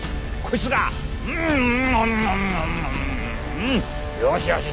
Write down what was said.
うんよしよし